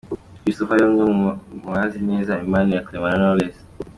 Christopher yari umwe mubazi neza imibanire ya Clement na Knowless .